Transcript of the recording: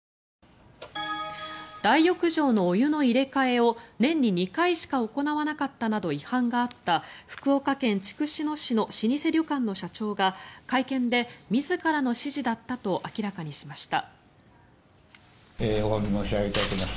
大浴場のお湯の入れ替えを年に２回しか行わなかったなど違反があった福岡県筑紫野市の老舗旅館の社長が会見で、自らの指示だったと明らかにしました。